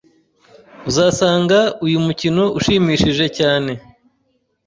Uzasanga uyu mukino ushimishije cyane.